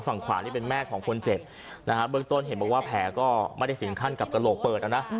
ฝั่งขวานี่เป็นแม่ของคนเจ็บนะฮะเบื้องต้นเห็นบอกว่าแผลก็ไม่ได้ถึงขั้นกับกระโหลกเปิดนะ